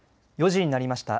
４時になりました。